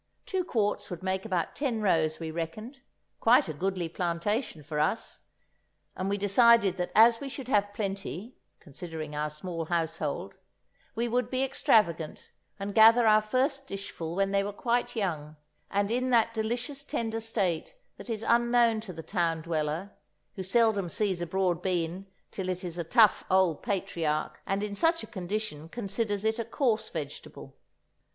Two quarts would make about ten rows, we reckoned, quite a goodly plantation for us; and we decided that as we should have plenty, considering our small household, we would be extravagant and gather our first dishful when they were quite young and in that deliciously tender state that is unknown to the town dweller, who seldom sees a broad bean till it is a tough old patriarch, and in such a condition considers it a coarse vegetable.